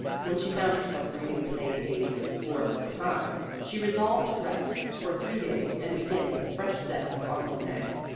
When she found herself reading the same page for the fourth time, she resolved to rest for three days and begin with fresh zest on Monday.